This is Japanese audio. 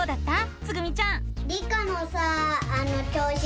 つぐみちゃん。